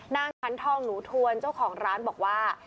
ฉันทองหนูทวนเจ้าของร้านบอกว่า